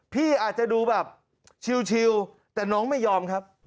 พี่อาจจะดูแบบชิวแต่น้องไม่ยอมครับ